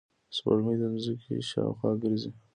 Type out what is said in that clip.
سپوږمۍ د ځمکې شاوخوا ګرځي